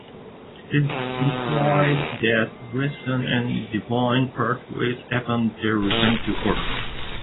It is implied that Weston and Devine part ways upon their return to Earth.